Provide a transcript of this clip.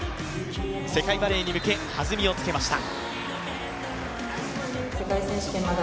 世界バレーに向け、弾みをつけました。